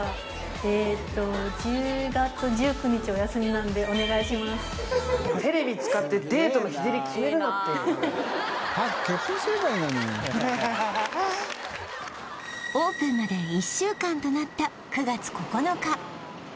えーとオープンまで１週間となった９月９日